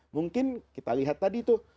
mungkin kita lihat tadi tuh